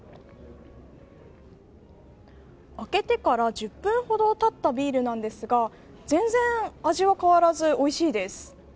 開けてから１０分ほどたったビールなんですが全然味は変わらずおいしいです。